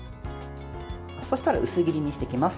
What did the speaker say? そうしたら薄切りにしていきます。